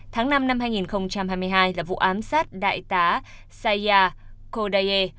tháng năm năm hai nghìn hai mươi hai là vụ ám sát đại tá sayyad khodaye